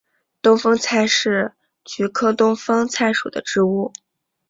东风菜是菊科东风菜属的植物。